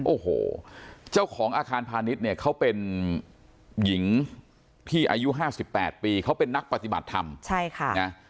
โอ้โหเจ้าของอาคารพาณิชย์เนี่ยเขาเป็นหญิงที่อายุ๕๘ปีเขาเป็นนักปฏิบัติธรรมใช่ค่ะนะ